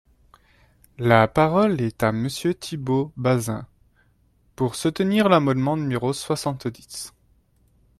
La parole est à Monsieur Thibault Bazin, pour soutenir l’amendement numéro soixante-dix.